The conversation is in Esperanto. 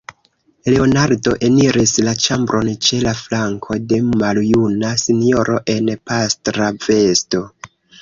Leonardo eniris la ĉambron ĉe la flanko de maljuna sinjoro en pastra vesto.